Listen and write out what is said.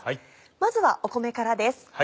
まずは米からです。